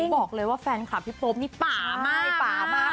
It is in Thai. บอกเลยว่าแฟนคลับพี่ป๊อปนี่ป๋ามาก